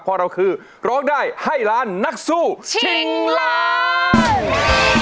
เพราะเราคือร้องได้ให้ล้านนักสู้ชิงล้าน